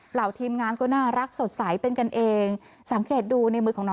หลังทานเสร็จลิซ่าเขาก็ออกมาถ่ายภาพกับทีมงานอย่างที่เห็นไปเมื่อสักครู่